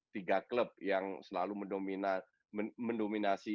tiga klub yang selalu mendominasi